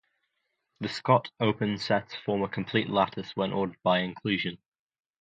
The Scott-open sets form a complete lattice when ordered by inclusion.